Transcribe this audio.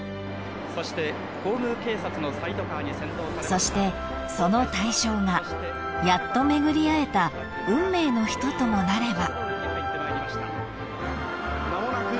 ［そしてその対象がやっと巡り合えた運命の人ともなれば］